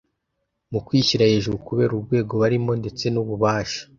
mu kwishyira hejuru kubera urwego barimo ndetse n’ububasha